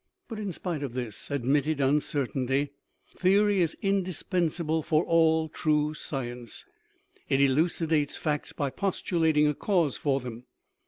But, in spite of this admitted un certainty, theory is indispensable for all true science; it elucidates facts by postulating a cause for them.